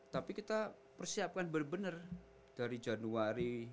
tapi kita persiapkan benar benar dari januari